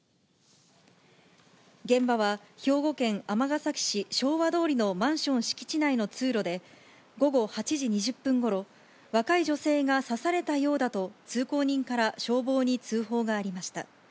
現場は、兵庫県尼崎市昭和通のマンション敷地内の通路で、午後８時２０分ごろ、若い女性が刺されたようだと通行人から消防に通報がありました。